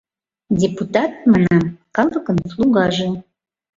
— Депутат, — манам, — калыкын слугаже...